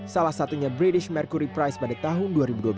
salah satunya british mercury prize pada tahun dua ribu dua belas